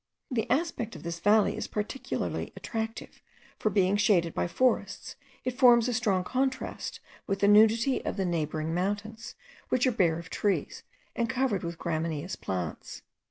The aspect of this valley is peculiarly attractive, for being shaded by forests, it forms a strong contrast with the nudity of the neighbouring mountains, which are bare of trees, and covered with gramineous plants.